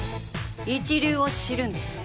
一流を知るんです